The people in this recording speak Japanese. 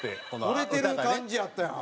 惚れてる感じやったやん。